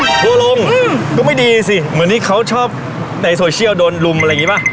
ทัวร์ลงก็ไม่ดีสิเหมือนที่เขาชอบในโซเชียลโดนลุมอะไรอย่างนี้ป่ะ